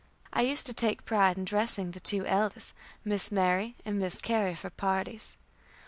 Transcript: I used to take pride in dressing the two eldest, Miss Mary and Miss Carrie, for parties.